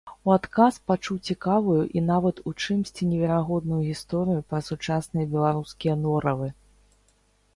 У адказ пачуў цікавую і нават у чымсьці неверагодную гісторыю пра сучасныя беларускія норавы.